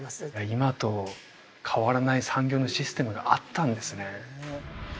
今と変わらない産業のシステムがあったんですね